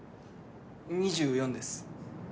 ２４です